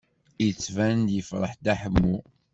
Yettban-d yefṛeḥ Dda Ḥemmu.